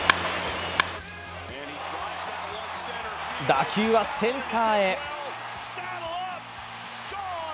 打球はセンターへ。